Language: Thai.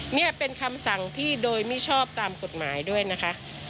นี่เป็นคำสั่งที่โดยมิชอบตามกฎหมายด้วยนะคะ